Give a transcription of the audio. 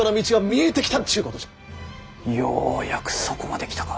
ようやくそこまで来たか！